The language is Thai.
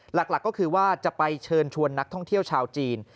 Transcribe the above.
หลักก็คือว่าจะไปเชิญชวนนักท่องเที่ยวชาวจีน